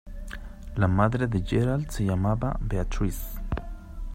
La madre de Gerald se llamaba Beatrice.